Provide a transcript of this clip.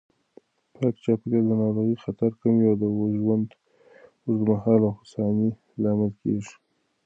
پاک چاپېریال د ناروغیو خطر کموي او د ژوند اوږدمهاله هوساینې لامل کېږي.